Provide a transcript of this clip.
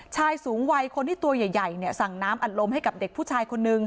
ชายสูงวัยคนที่ตัวใหญ่สั่งน้ำอัดลมให้กับเด็กผู้ชายคนนึง